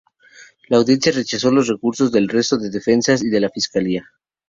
La Audiencia rechazó los recursos del resto de defensas y de la Fiscalía.